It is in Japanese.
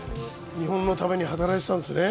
日本のために働いていたんですね。